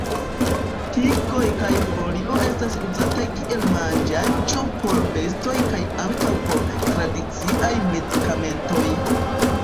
Tigoj kaj folio estas uzataj kiel manĝaĵo por bestoj kaj ankaŭ por tradiciaj medikamentoj.